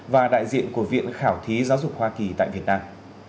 và đại diện của viện khảo thí giáo dục hoa kỳ tại việt nam